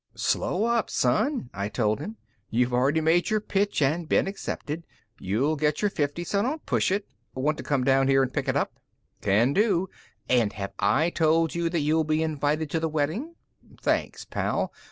"Slow up, son," I told him, "you've already made your pitch and been accepted. You'll get your fifty, so don't push it. Want to come down here and pick it up?" "Can do. And have I told you that you'll be invited to the wedding?" "Thanks, pal.